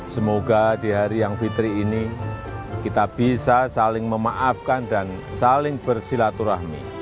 semoga di hari yang fitri ini kita bisa saling memaafkan dan saling bersilaturahmi